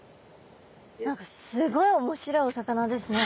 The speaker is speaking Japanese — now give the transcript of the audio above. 何かすごい面白いお魚ですね。